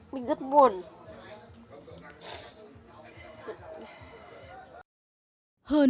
mình rất buồn